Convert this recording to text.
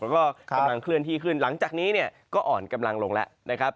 แล้วก็กำลังเคลื่อนที่ขึ้นหลังจากนี้เนี่ยก็อ่อนกำลังลงแล้วนะครับ